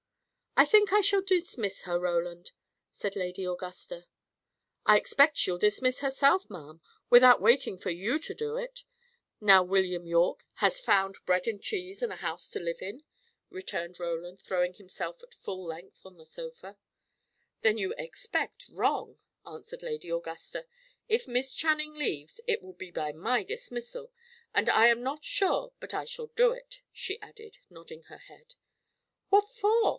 "I think I shall dismiss her, Roland," said Lady Augusta. "I expect she'll dismiss herself, ma'am, without waiting for you to do it, now William Yorke has found bread and cheese, and a house to live in," returned Roland, throwing himself at full length on a sofa. "Then you expect wrong," answered Lady Augusta. "If Miss Channing leaves, it will be by my dismissal. And I am not sure but I shall do it," she added, nodding her head. "What for?"